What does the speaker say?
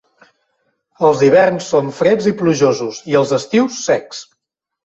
Els hiverns són freds i plujosos i els estius secs.